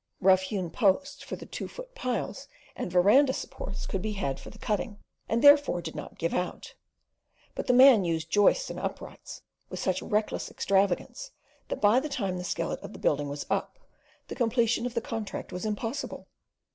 Rough hewn posts for the two foot piles and verandah supports could be had for the cutting, and therefore did not give out; but the man used joists and uprights with such reckless extravagance, that by the time the skeleton of the building was up, the completion of the contract was impossible.